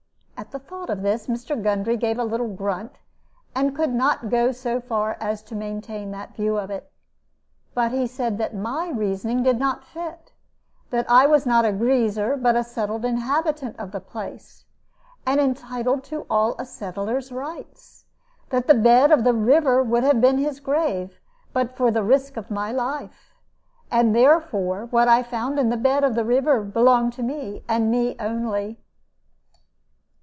At the thought of this, Mr. Gundry gave a little grunt, and could not go so far as to maintain that view of it. But he said that my reasoning did not fit; that I was not a greaser, but a settled inhabitant of the place, and entitled to all a settler's rights; that the bed of the river would have been his grave but for the risk of my life, and therefore whatever I found in the bed of the river belonged to me, and me only.